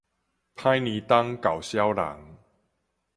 歹年冬厚痟人